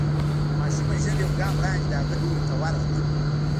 ماشومه ژر يو ګام وړاندې د هغه لوري ته ورغله.